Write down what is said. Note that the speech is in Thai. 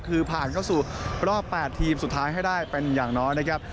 คือผ่านเข้าสู่รอบ๘ทีมสุดท้ายให้ได้เป็นอย่างน้อยนะครับ